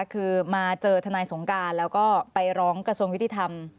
คือมาเจอทนายสงการแล้วก็ไปร้องกระทรวงยุติธรรม